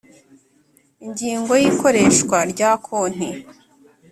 Ingingo ya Ikoreshwa rya konti